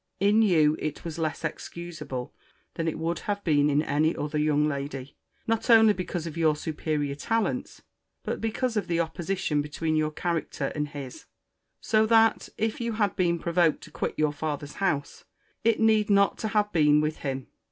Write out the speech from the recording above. In you it was less excusable than it would have been in any other young lady; not only because of your superior talents, but because of the opposition between your character and his: so that, if you had been provoked to quit your father's house, it need not to have been with him.